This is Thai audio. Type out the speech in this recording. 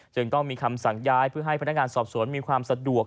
จึงต้องมีคำสั่งย้ายเพื่อให้พนักงานสอบสวนมีความสะดวก